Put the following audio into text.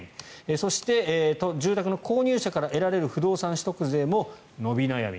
そして、住宅の購入者から得られる不動産取得税も伸び悩み。